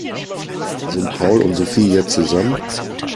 Sind Paul und Sophie jetzt zusammen?